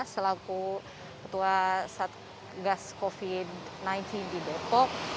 selaku ketua satgas covid sembilan belas di depok